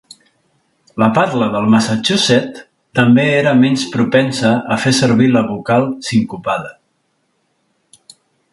La parla del Massachusett també era menys propensa a fer servir la vocal sincopada.